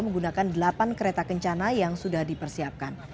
menggunakan delapan kereta kencana yang sudah dipersiapkan